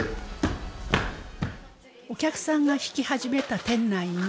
お客さんが引き始めた店内に。